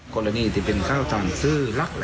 ครับ